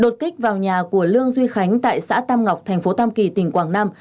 đột kích vào nhà của lương duy khánh tại xã tam ngọc thành phố tam kỳ tỉnh quảng nam